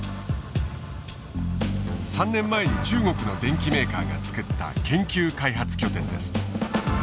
３年前に中国の電機メーカーが作った研究開発拠点です。